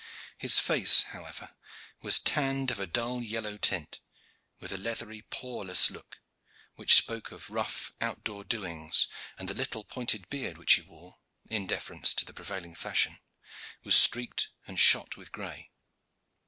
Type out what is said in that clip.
His face, however, was tanned of a dull yellow tint, with a leathery, poreless look, which spoke of rough outdoor doings, and the little pointed beard which he wore, in deference to the prevailing fashion, was streaked and shot with gray.